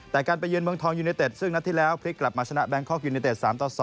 แต่การไปเยือนเมืองทองยูเนเต็ดซึ่งนัดที่แล้วพลิกกลับมาชนะแบงคอกยูเนเต็ด๓ต่อ๒